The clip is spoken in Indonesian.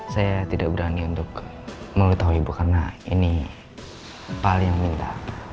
saya tidak berani untuk meluih tahu ibu karena ini pak al yang minta